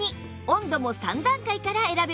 温度も３段階から選べます